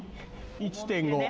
１．５。